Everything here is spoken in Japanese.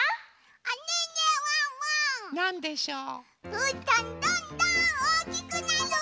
うーたんどんどんおおきくなる！